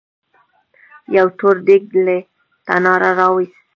يو تور دېګ يې له تناره راوېست.